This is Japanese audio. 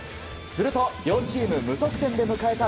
すると、両チーム無得点で迎えた